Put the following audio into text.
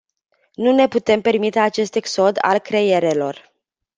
Nu ne putem permite acest exod al creierelor.